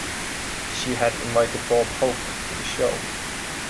She had invited Bob Hope to the show.